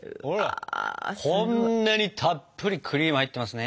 こんなにたっぷりクリーム入ってますね。